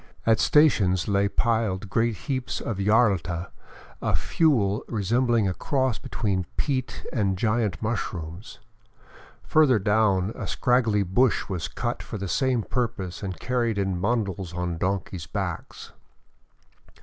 At stations lay piled great heaps of yarlta, a fuel resembling a cross between peat and giant mushrooms. Further down, a scraggly bush was cut for the same purpose and car ried in bundles on donkeys' backs.